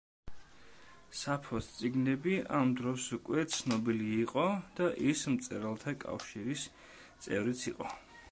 საფოს წიგნები ამ დროს უკვე ცნობილი იყო და ის მწერალთა კავშირის წევრიც იყო.